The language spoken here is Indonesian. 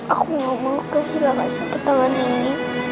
aku mau mengukur hilang asap petangan ini